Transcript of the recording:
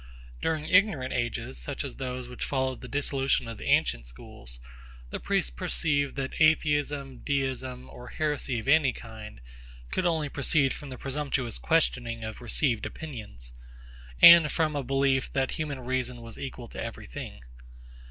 During ignorant ages, such as those which followed the dissolution of the ancient schools, the priests perceived, that Atheism, Deism, or heresy of any kind, could only proceed from the presumptuous questioning of received opinions, and from a belief that human reason was equal to every thing.